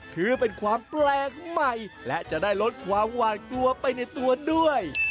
ถือเป็นความแปลกใหม่และจะได้ลดความหวาดกลัวไปในตัวด้วย